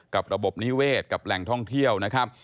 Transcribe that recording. กับระบบนิเวศกับแหล่งท่องเที่ยวนะครับ